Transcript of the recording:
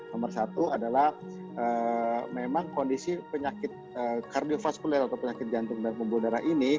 nomor satu adalah memang kondisi penyakit kardiofaskuler atau penyakit jantung dan pembuluh darah ini